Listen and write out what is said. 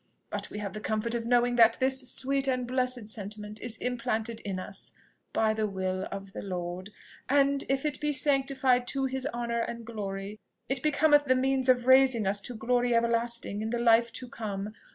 But we have the comfort of knowing that this sweet and blessed sentiment is implanted in us by the will of the Lord! And if it be sanctified to his honour and glory, it becometh the means of raising us to glory everlasting in the life to come.